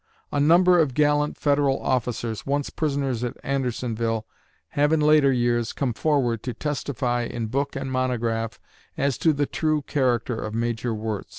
A number of gallant Federal officers, once prisoners at Andersonville, have in later years come forward to testify in book and monograph as to the true character of Major Wirz.